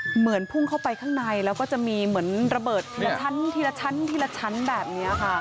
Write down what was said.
เหมือนพุ่งเข้าไปข้างในแล้วก็จะมีเหมือนระเบิดทีละชั้นแบบนี้ค่ะ